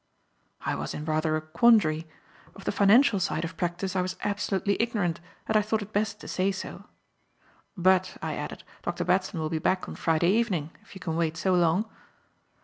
I was in rather a quandary. Of the financial side of practice I was absolutely ignorant and I thought it best to say so. "But," I added, "Dr. Batson will be back on Friday evening, if you can wait so long."